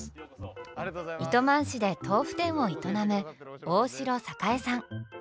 糸満市で豆腐店を営む大城光さん。